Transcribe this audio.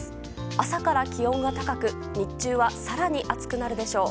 朝から気温が高く日中は更に暑くなるでしょう。